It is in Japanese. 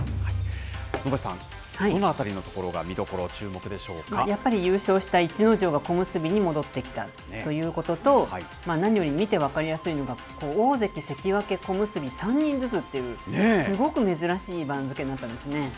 能町さん、どのあたりのところがやっぱり、優勝した逸ノ城が小結に戻ってきたということと、何より見て分かりやすいのが大関、関脇、小結、３人ずつという、すごく珍しい番付になったんですね。